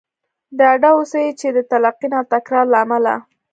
ډاډه اوسئ چې د تلقين او تکرار له امله.